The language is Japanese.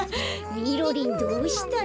みろりんどうしたの？